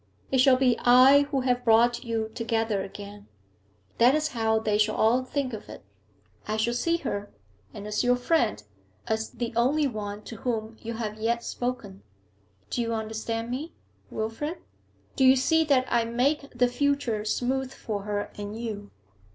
It shall be I who have brought you together again that is how the shall all think of it. I shall see her, and as your friend, as the only one to whom you have yet spoken. Do you understand me, Wilfrid? Do you see that I make the future smooth for her and you?